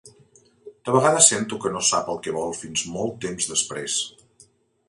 De vegades sento que no sap el que vol fins molt temps després.